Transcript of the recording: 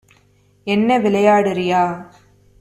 என்ன விளையாடுறியா?